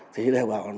thì đều bảo